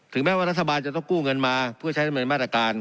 แม้ว่ารัฐบาลจะต้องกู้เงินมาเพื่อใช้ดำเนินมาตรการ